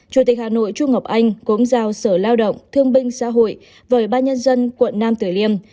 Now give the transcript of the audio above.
chủ tịch hà nội trung ngọc anh cũng giao sở lao động thương binh xã hội với ubnd tp tử liêm